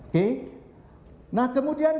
oke nah kemudian